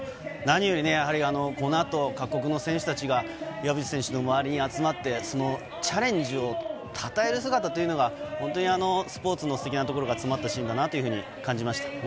何よりこのあと各国の選手たちが岩渕選手の周りに集まって、チャレンジをたたえる姿がスポーツのステキなところが詰まったシーンだと感じました。